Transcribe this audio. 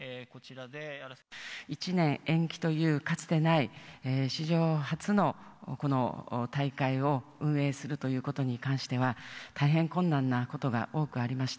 １年延期という、かつてない史上初のこの大会を運営するということに関しては、大変困難なことが多くありました。